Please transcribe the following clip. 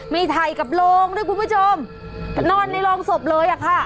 มีไถ่กับโรงด้วยคุณผู้ชมนอนในโรงศพเลยอะค่ะ